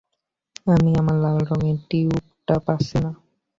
আমি আমার লাল রঙের টিউবটা পাচ্ছি না!